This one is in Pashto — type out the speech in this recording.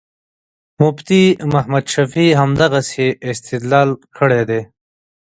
مفتي محمد شفیع همدغسې استدلال کړی دی.